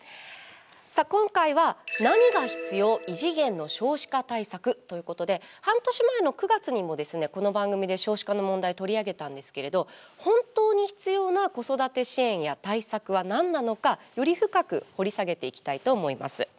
さあ今回は半年前の９月にもですねこの番組で少子化の問題取り上げたんですけれど本当に必要な子育て支援や対策は何なのかより深く掘り下げていきたいと思います。